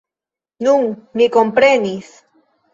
Nun, mi komprenis.